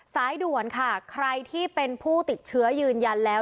สายด่วนค่ะใครที่เป็นผู้ติดเชื้อยืนยันแล้ว